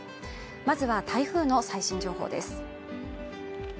まずは台風の最新情報です